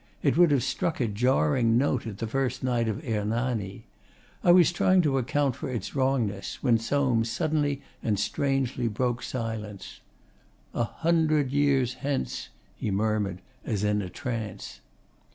It would have struck a jarring note at the first night of 'Hernani.' I was trying to account for its wrongness when Soames suddenly and strangely broke silence. 'A hundred years hence!' he murmured, as in a trance.